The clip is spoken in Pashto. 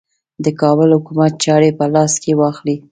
د کابل حکومت چاري په لاس کې واخلي.